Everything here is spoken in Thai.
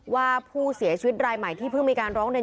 ว่าผู้เสียชีวิตรายใหม่ที่เพิ่งมีการร้องเรียน